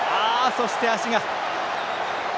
そして、足が。